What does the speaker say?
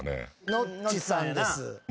ノッチさんやな。